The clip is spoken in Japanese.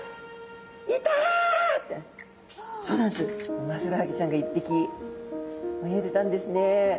ウマヅラハギちゃんが１ぴき泳いでたんですねえ。